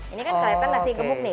ini kan kelihatan nasi gemuk nih